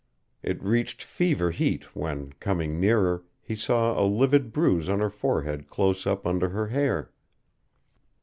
It reached fever heat when, coming nearer, he saw a livid bruise on her forehead close up under her hair.